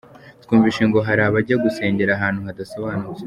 Twumvise ngo hari abajya gusengera ahantu hadasobanutse.